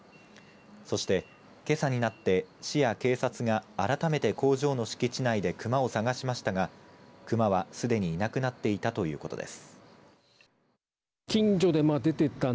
そして、けさになって市や警察が改めて工場の敷地内で熊を探しましたが熊は、すでにいなくなっていたということです。